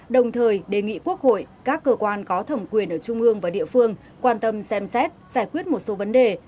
đồng thời đề nghị quốc hội các cơ quan có thẩm quyền ở trung ương và địa phương quan tâm xem xét giải quyết một số vấn đề